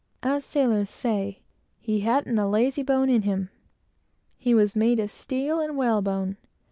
As sailors say, "he hadn't a lazy bone in him." He was made of steel and whalebone.